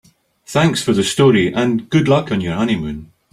Thanks for the story and good luck on your honeymoon.